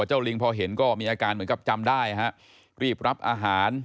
ลิงพอเห็นก็มีอาการเหมือนกับจำได้ฮะรีบรับอาหาร